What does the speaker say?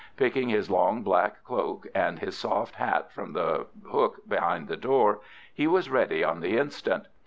Picking his long, black cloak and his soft hat from the hook behind the door, he was ready on the instant.